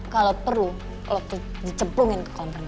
kalau perlu lo tuh di cemplungin ke kolam perang